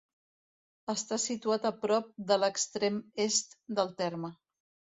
Està situat a prop de l'extrem est del terme.